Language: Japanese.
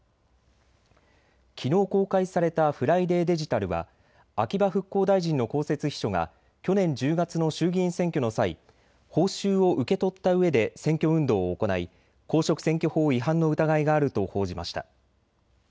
きのう公開されたＦＲＩＤＡＹデジタルは秋葉復興大臣の公設秘書が去年１０月の衆議院選挙の際、報酬を受け取ったうえで選挙運動を行い公職選挙法違反の疑いがあると報じました。